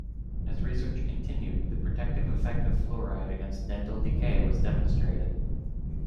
As research continued, the protective effect of fluoride against dental decay was demonstrated.